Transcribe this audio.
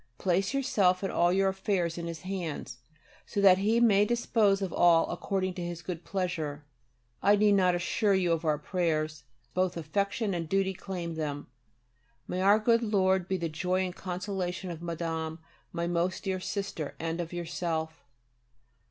Place yourself and all your affairs in His hands, so that He may dispose of all according to His good pleasure.... I need not assure you of our prayers: both affection and duty claim them. May Our Lord be the joy and consolation of Madame, my most dear sister, and of yourself.